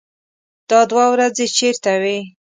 _دا دوې ورځې چېرته وې؟